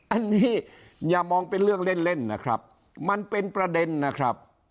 อันนี้อย่ามองเป็นเรื่องเล่นเล่นนะครับมันเป็นประเด็นนะครับ